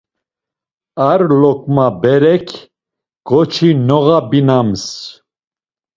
Ar loǩma berek ǩoçi noğobinams.